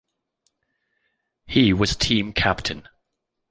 He was team captain.